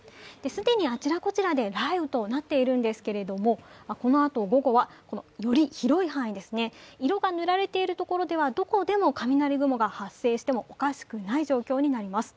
既にあちらこちらで雷雨となっているんですけれども、このあと午後はより広い範囲、色が塗られている所では、どこでも雷雲が発生してもおかしくない状況になります。